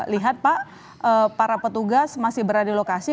lihat pak para petugas masih berada di lokasi